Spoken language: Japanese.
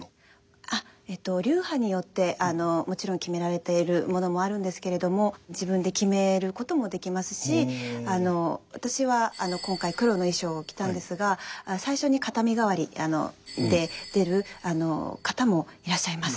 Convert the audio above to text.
流派によってもちろん決められているものもあるんですけれども自分で決めることもできますし私は今回黒の衣裳を着たんですが最初に片身替わりで出る方もいらっしゃいます。